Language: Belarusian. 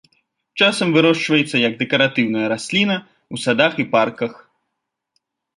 Часам вырошчваецца як дэкаратыўная расліна ў садах і парках.